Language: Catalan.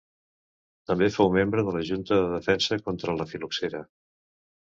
També fou membre de la Junta de Defensa contra la fil·loxera.